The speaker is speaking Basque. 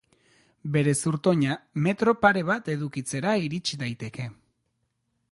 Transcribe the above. Bere zurtoina metro pare bat edukitzera irits daiteke.